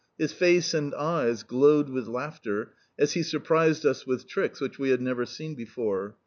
His face and eyes glowed with laughter as he surprised us with tricks which we had never seen before.